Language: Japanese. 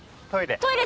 トイレ。